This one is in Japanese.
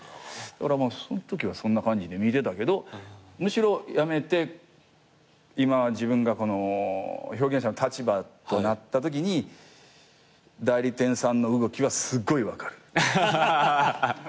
そんときそんな感じで見てたけどむしろ辞めて今は自分が表現者の立場となったときに代理店さんの動きはすごい分かる。